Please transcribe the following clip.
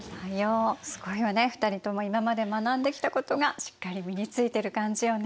すごいわね２人とも今まで学んできたことがしっかり身についてる感じよね。